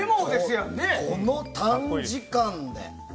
この短時間で。